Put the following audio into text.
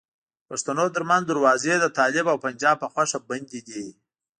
د پښتنو ترمنځ دروازې د طالب او پنجاب په خوښه بندي دي.